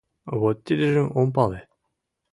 Вот тидыжым ом пале!